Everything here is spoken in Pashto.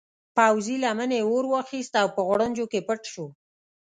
پوځي لمنې اور واخیست او په غوړنجو کې پټ شو.